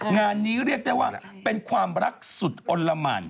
งานนี้เรียกได้ว่าเป็นความรักสุดอลละหมาน